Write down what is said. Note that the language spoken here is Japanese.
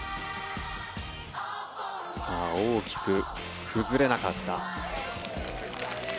大きく崩れなかった。